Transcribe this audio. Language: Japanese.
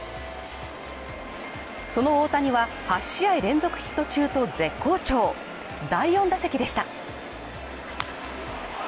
その大谷は８試合連続ヒット中と絶好調第４打席でした。